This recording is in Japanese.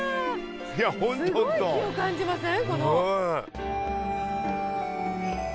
すごい気を感じません？